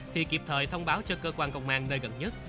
thì kịp thời thông báo cho cơ quan công an nơi gần nhất